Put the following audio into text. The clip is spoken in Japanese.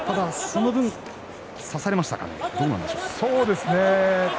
その分、差されましたかね。